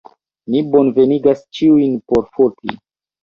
Ni bonvenigas ĉiujn por foti.